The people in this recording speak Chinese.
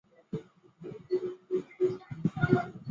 但她迅速变成为了澳大利亚的顶级乒乓球运动员。